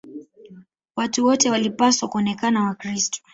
Watu wote walipaswa kuonekana Wakristo.